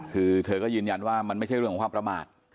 คือเธอก็ยืนยันว่ามันไม่ใช่เรื่องของความประมาท